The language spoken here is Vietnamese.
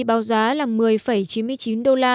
báo giá là một mươi chín mươi chín đô la